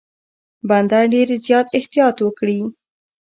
بنده ډېر زیات احتیاط وکړي.